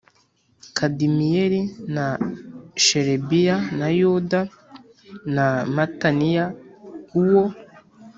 Kadimiyeli na Sherebiya na Yuda na Mataniya Uwo